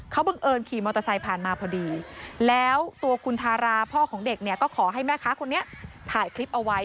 เขาบังเอิญขี่มอเตอร์ไซค์ผ่านมาพอดีแล้วตัวคุณทาราพ่อของเด็กเนี่ยก็ขอให้แม่ค้าคนนี้ถ่ายคลิปเอาไว้